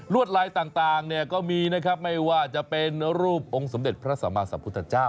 ลายต่างเนี่ยก็มีนะครับไม่ว่าจะเป็นรูปองค์สมเด็จพระสัมมาสัมพุทธเจ้า